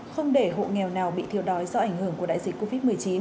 không để hộ nghèo nào bị thiếu đói do ảnh hưởng của đại dịch covid một mươi chín